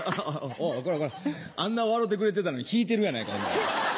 おぉあんな笑うてくれてたのが引いてるやないかお前。